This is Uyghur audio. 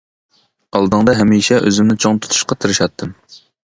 ئالدىڭدا ھەمىشە ئۆزۈمنى چوڭ تۇتۇشقا تىرىشاتتىم.